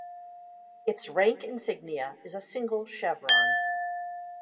Its rank insignia is a single chevron.